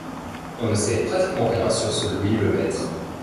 On ne sait pratiquement rien sur ce Louis Le Maître.